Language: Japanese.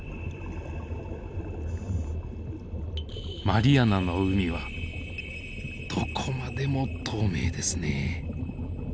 マリアナの海はどこまでも透明ですね。